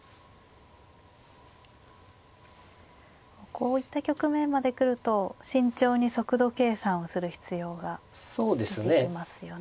こういった局面まで来ると慎重に速度計算をする必要が出てきますよね。